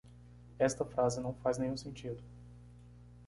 Esta frase não faz nenhum sentido.